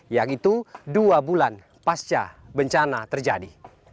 yaitu dua bulan pasca bencana terjadi